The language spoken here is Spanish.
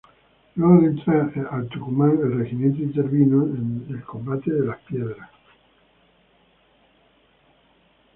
Luego de entrar al Tucumán, el regimiento intervino en el Combate de Las Piedras.